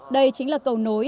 đây chính là cầu nối